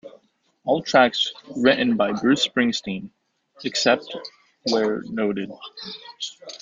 All tracks written by Bruce Springsteen, except where noted.